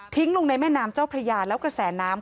ลงในแม่น้ำเจ้าพระยาแล้วกระแสน้ำ